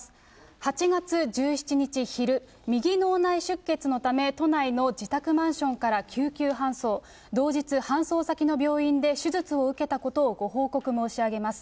８月１７日昼、右脳内出血のため都内の自宅マンションから救急搬送、同日、搬送先の病院で手術を受けたことをご報告申し上げます。